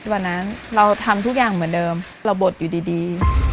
วันนั้นเราทำทุกอย่างเหมือนเดิมเราบดอยู่ดี